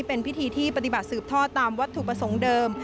เป็นพิธีที่ปฏิบัติสืบทอดตามวัตถุประสงค์เดิม